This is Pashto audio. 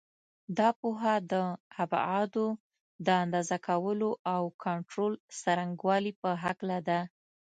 دا پوهه د ابعادو د اندازه کولو او کنټرول څرنګوالي په هکله ده.